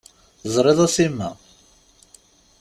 Teẓriḍ a Sima.